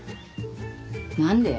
何で？